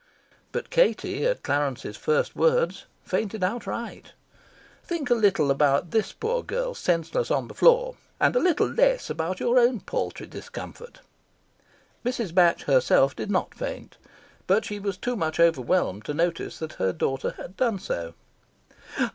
But Katie, at Clarence's first words, fainted outright. Think a little more about this poor girl senseless on the floor, and a little less about your own paltry discomfort. Mrs. Batch herself did not faint, but she was too much overwhelmed to notice that her daughter had done so.